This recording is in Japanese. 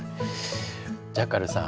ジャッカルさん